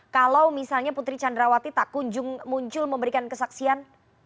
kalau misalnya putri candrawati tak kunjung muncul memberikan kesaksian